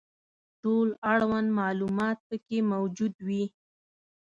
ټول اړوند معلومات پکې موجود وي.